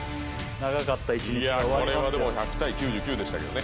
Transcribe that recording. いやこれはでも１００対９９でしたけどね